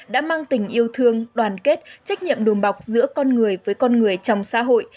đã mang tình yêu thương đoàn kết trách nhiệm đùm bọc giữa con người với con người trong xã hội